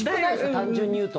単純に言うと。